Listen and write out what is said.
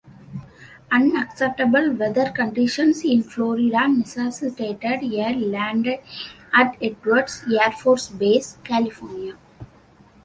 Unacceptable weather conditions in Florida necessitated a landing at Edwards Air Force Base, California.